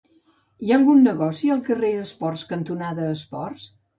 Hi ha algun negoci al carrer Esports cantonada Esports?